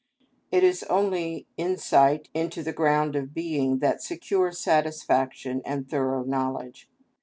It is only insight into the ground of being that secures satisfaction and thorough knowledge.